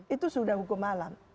itu sudah hukuman alam